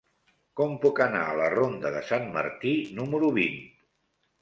Com puc anar a la ronda de Sant Martí número vint?